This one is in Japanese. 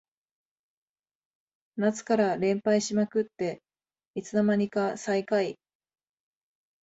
夏から連敗しまくっていつの間にか最下位